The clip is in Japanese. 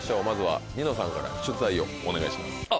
まずはニノさんから出題をお願いします。